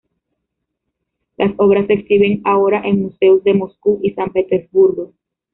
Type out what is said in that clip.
Las obras se exhiben ahora en museos de Moscú y San Petersburgo.